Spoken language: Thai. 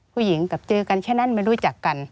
ผู้หญิงกับเจอกันแค่นั้นไม่รู้จักกัน